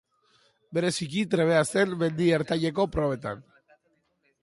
Bereziki trebea zen mendi ertaineko probetan.